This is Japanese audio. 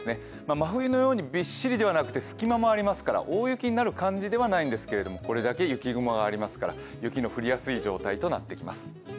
真冬のようにびっしりではなくて隙間もありますから大雪になる感じではないんですけどこれだけ雪雲がありますから雪の降りやすい状態となってきます。